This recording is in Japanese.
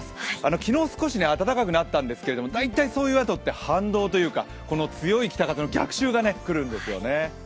昨日少し暖かくなったんですけどだいたいそのあと、反動というか、強い北風の逆襲が来るんですよね。